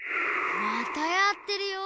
またやってるよ。